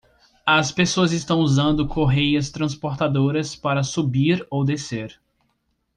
As pessoas estão usando correias transportadoras para subir ou descer.